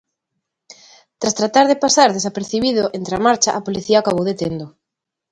Tras tratar de pasar desapercibido entre a marcha, a Policía acabou deténdoo.